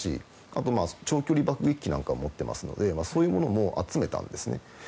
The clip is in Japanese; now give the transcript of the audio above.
あと長距離爆撃機なんかも持ってますのでそういうのも集めたんですね。